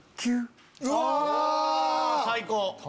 最高！